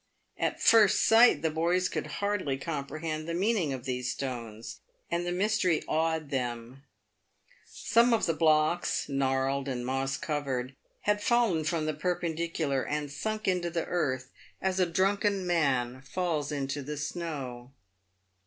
At first sight the boys could hardly comprehend the meaning of these stones, and the mystery awed them. Some of the blocks — gnarled and moss covered — had fallen from the perpendicular, and sunk into the earth, as a drunken man falls into the snow.